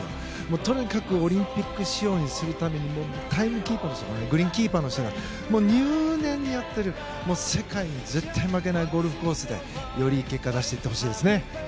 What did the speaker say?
とにかくオリンピック仕様にするためにグリーンキーパーの人が入念にやって世界に絶対負けないゴルフコースでよりいい結果を出してほしいですね。